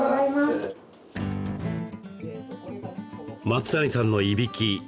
松谷さんのいびき。